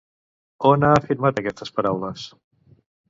On ha afirmat aquestes paraules?